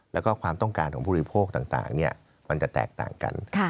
แล้วก็ความต้องการของบริโภคต่างมันจะแตกต่างกัน